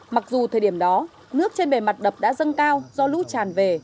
mặc dù thời điểm đó nước trên bề mặt đập đã dâng cao do lũ tràn về